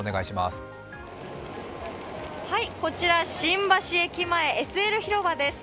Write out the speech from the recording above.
こちら新橋駅前ＳＬ広場です。